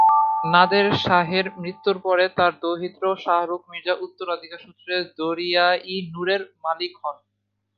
নাদের শাহের মৃত্যুর পরে তার দৌহিত্র শাহরুখ মির্জা উত্তরাধিকার সূত্রে দরিয়া-ই-নূরের মালিক হন।